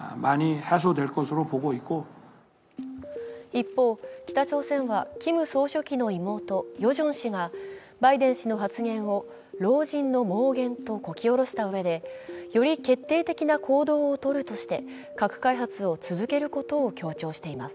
一方、北朝鮮はキム総書記の妹・ヨジョン氏がバイデン氏の発言を老人の妄言とこき下ろしたうえでより決定的な行動をとるとして核開発を続けることを強調しています。